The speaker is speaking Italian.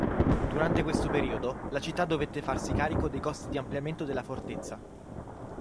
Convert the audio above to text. Durante questo periodo la città dovette farsi carico dei costi di ampliamento della fortezza.